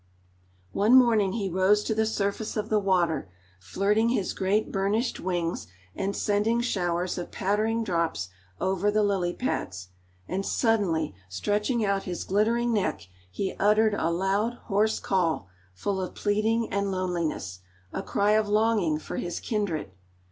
One morning he rose to the surface of the water, flirting his great burnished wings, and sending showers of pattering drops over the lily pads, and suddenly stretching out his glittering neck he uttered a loud, hoarse call, full of pleading and loneliness a cry of longing for his kindred.